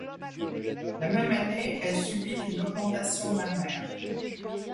La même année, elle subit une augmentation mammaire.